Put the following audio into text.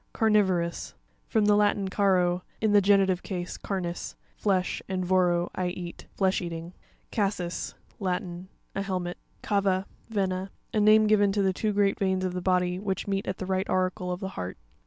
Carn' vorous.—From the Latin, caro, in the genitive case, carnis, flesh, and voro, leat. Flesh eating. Cas'sis.—Latin. A helmet (page 54). Ca'va (Vena).—A name given to the two great veins of the body, which meet at the right auricle of the heart.